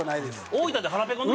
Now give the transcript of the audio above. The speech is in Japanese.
大分で腹ペコの。